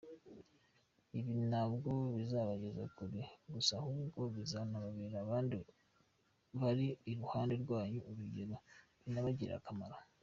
Ibi ntabwo bizabageza kure gusa ahubwo bizanabera abandi bari iruhande rwanyu urugero binabagirire akamaro.”